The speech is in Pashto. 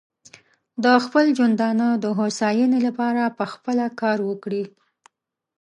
د خپل ژوندانه د هوساینې لپاره پخپله کار وکړي.